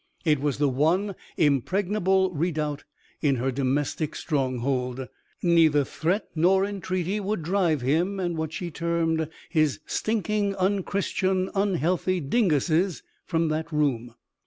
It was the one impregnable redoubt in her domestic stronghold. Neither threat nor entreaty would drive him and what she termed his "stinking, unchristian, unhealthy dinguses" from that room.